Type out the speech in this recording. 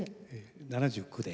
７９で。